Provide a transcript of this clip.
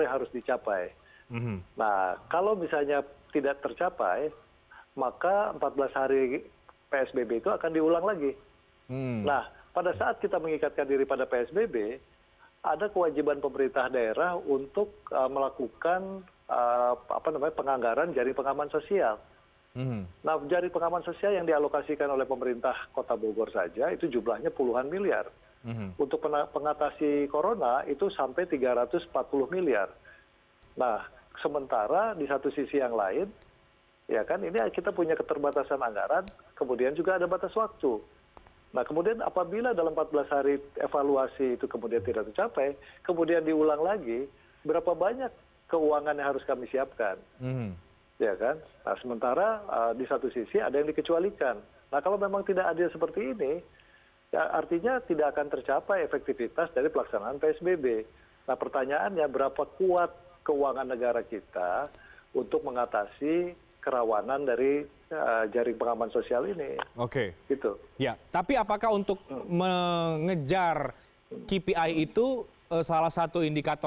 jadi nanti kami mengikuti saja apa yang diputuskan bersama sama oleh berbagai pihak terkait